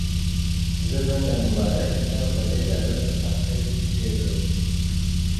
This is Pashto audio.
زه به دا مبارک کتاب په ډېر ادب په تاقچه کې کېږدم.